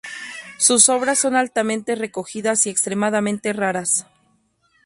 Sus obras son altamente recogidas y extremadamente raras.